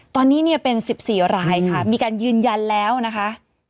ตอนนี้เนี่ยเป็น๑๔รายค่ะมีการยืนยันแล้วนะคะ